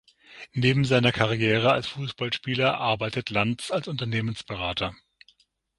Neben seiner Karriere als Fußballspieler arbeitet Lantz als Unternehmensberater.